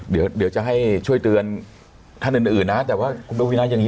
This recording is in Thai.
เดี๋ยวเดี๋ยวจะให้ช่วยเตือนท่านอื่นอื่นอื่นอ่ะแต่ว่าคุณบริวินัยอย่างงี้